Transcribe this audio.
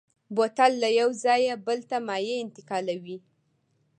بوتل له یو ځایه بل ته مایع انتقالوي.